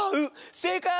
せいかい！